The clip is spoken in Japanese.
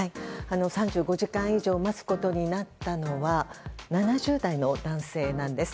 ３５時間以上待つことになったのは７０代の男性なんです。